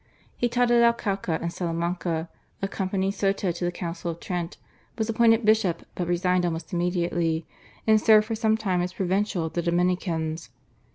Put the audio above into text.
He taught at Alcala and Salamanca, accompanied Soto to the Council of Trent, was appointed bishop but resigned almost immediately, and served for some time as provincial of the Dominicans.